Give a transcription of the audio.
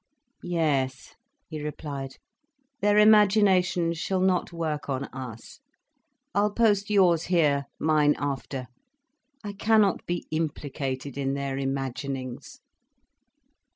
"Yes," he replied. "Their imaginations shall not work on us. I'll post yours here, mine after. I cannot be implicated in their imaginings."